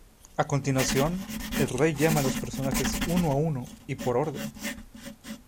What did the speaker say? A continuación, el rey llama a los personajes uno a uno y por orden.